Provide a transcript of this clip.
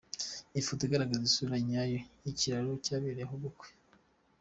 Ifoto igaragaza isura ya nyayo y'ikiraro cyabereyeho ubukwe.